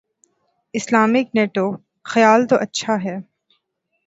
Islamic NATO: خیال تو اچھا ہے۔